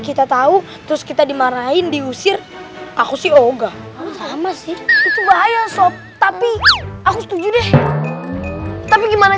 kita tahu terus kita dimarahin diusir aku sih enggak sama sih bahaya tapi aku setuju deh gimana